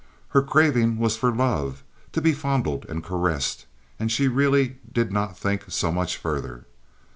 Her craving was for love—to be fondled and caressed—and she really did not think so much further.